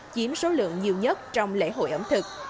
chiếm số lượng nhiều nhất trong lễ hội ẩm thực